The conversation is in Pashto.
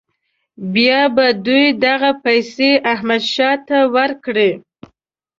بیا به دوی دغه پیسې احمدشاه ته ورکړي.